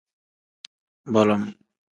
Bolom.